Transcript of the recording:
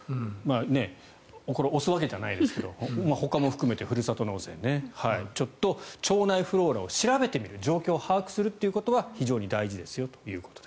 これ推すわけじゃないですけどほかも含めて、ふるさと納税腸内フローラを調べてみる状況を把握してみるということは非常に大事ですよと。